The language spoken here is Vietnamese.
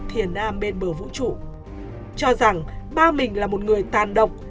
thìa nam bên bờ vũ trụ cho rằng ba mình là một người tàn độc